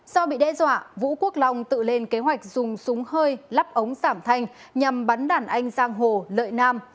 do bị đe dọa vũ quốc long tự lên kế hoạch dùng súng hơi lắp ống giảm thanh nhằm bắn đàn anh giang hồ lợi nam